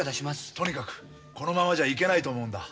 とにかくこのままじゃいけないと思うんだ。